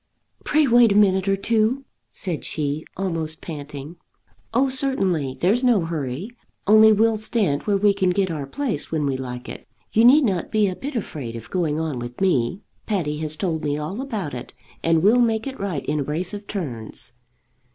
"Pray wait a minute or two," said she, almost panting. "Oh, certainly. There's no hurry, only we'll stand where we can get our place when we like it. You need not be a bit afraid of going on with me. Patty has told me all about it, and we'll make it right in a brace of turns."